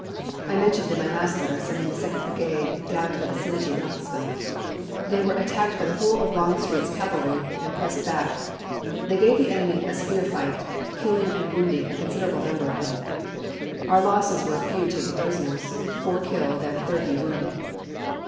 I mentioned in my last letter sending the Second Brigade down to the vicinity of Knoxville. They were attacked by the whole of Longstreet's cavalry and pressed back. They gave the enemy a severe fight, killing and wounding a considerable number of them. Our losses were a few taken prisoners, four killed and thirty wounded.